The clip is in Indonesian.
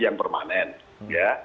yang permanen ya